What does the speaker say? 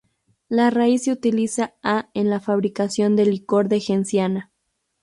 La raíz se utiliza a en la fabricación del licor de genciana.